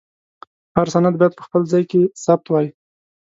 هر سند باید په خپل ځای کې ثبت وای.